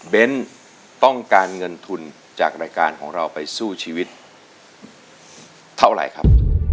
ต้องการเงินทุนจากรายการของเราไปสู้ชีวิตเท่าไหร่ครับ